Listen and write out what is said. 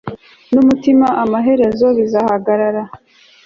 n'umutima, amaherezo, bizahagarara